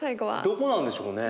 どこなんでしょうね？